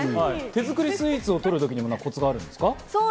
手づくりスイーツを撮る時にはコツはあるんですか？